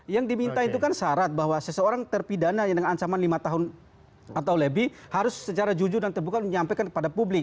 yang diminta itu kan syarat bahwa seseorang terpidana dengan ancaman lima tahun atau lebih harus secara jujur dan terbuka menyampaikan kepada publik